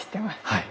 はい。